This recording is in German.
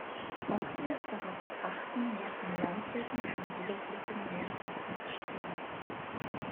Auch hier ist darauf zu achten, dass den Landwirten keine überflüssigen Mehrkosten entstehen.